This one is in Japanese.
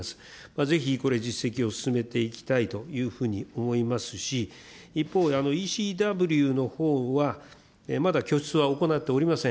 ぜひこれ、実績を進めていきたいというふうに思いますし、一方、ＥＣＷのほうはまだ拠出は行っておりません。